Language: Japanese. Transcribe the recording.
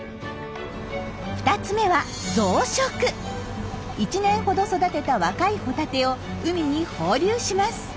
２つ目は１年ほど育てた若いホタテを海に放流します。